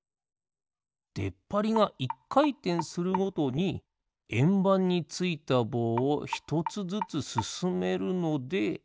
でっぱりが１かいてんするごとにえんばんについたぼうをひとつずつすすめるので。